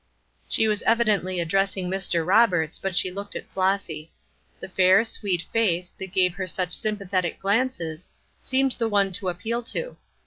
She was evidently addressing Mr. Roberts, but she looked at Flossy. The fair, sweet face, that gave her such sympathetic glances, seemed the one to appeal to.